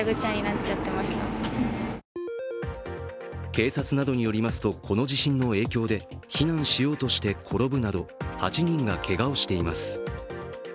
警察などによりますと、この地震の影響で避難しようとして転ぶなど８人がけがをしています。